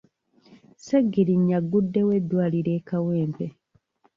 Segirinnya aggudewo eddwaliro e Kawempe.